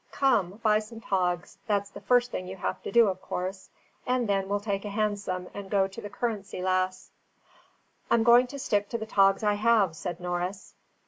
Come, buy some togs, that's the first thing you have to do of course; and then we'll take a hansom and go to the Currency Lass." "I'm going to stick to the togs I have," said Norris.